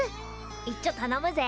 いっちょたのむぜ。